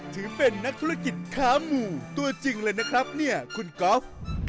ถือเป็นนักธุรกิจค้าหมู่ตัวจริงเลยนะครับเนี่ยคุณก๊อฟ